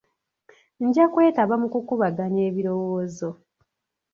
Nja kwetaba mu kukubaganya ebirowoozo.